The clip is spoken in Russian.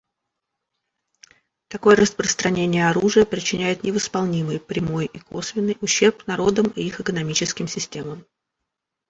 Такое распространение оружия причиняет невосполнимый — прямой и косвенный — ущерб народам и их экономическим системам.